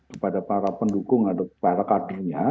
kepada para pendukung atau para kadinnya